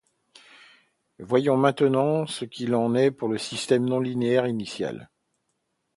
Voyons maintenant ce qu'il en est pour le système non linéaire initial.